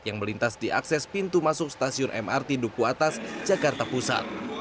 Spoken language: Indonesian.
yang melintas di akses pintu masuk stasiun mrt duku atas jakarta pusat